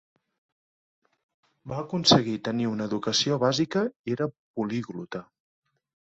Va aconseguir tenir una educació bàsica i era poliglota.